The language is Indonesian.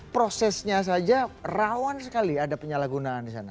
prosesnya saja rawan sekali ada penyalahgunaan di sana